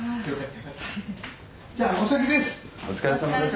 じゃお先です。